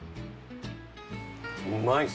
うまいです！